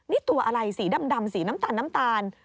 นี่ตัวอะไรสีดำสีน้ำตาล